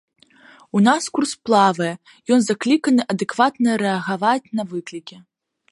У нас курс плавае, ён закліканы адэкватна рэагаваць на выклікі.